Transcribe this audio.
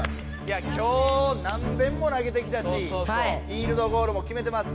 今日何べんも投げてきたしフィールドゴールも決めてます。